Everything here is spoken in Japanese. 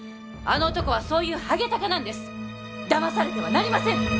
あの男はそういうハゲタカなんですだまされてはなりません